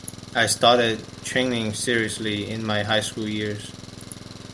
I started training seriously in my high school years.